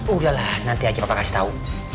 udah lah nanti aja papa kasih tau